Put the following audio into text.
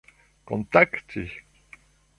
kontakti